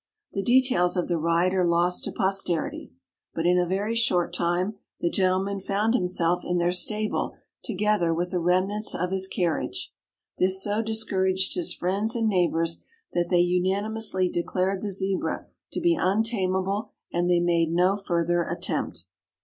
The details of the ride are lost to posterity, but in a very short time the gentleman found himself in their stable together with the remnants of his carriage. This so discouraged his friends and neighbors that they unanimously declared the Zebra to be untamable and they made no further attempt.